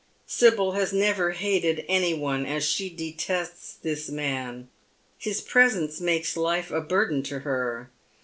Sibyl has never hated any one as she detests this man. His presence makes life a burden to her.